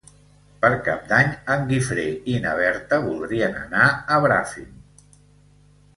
Per Cap d'Any en Guifré i na Berta voldrien anar a Bràfim.